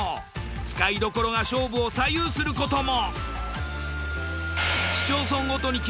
使いどころが勝負を左右することも。